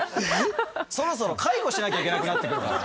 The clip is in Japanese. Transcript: そろそろ介護しなきゃいけなくなってくる。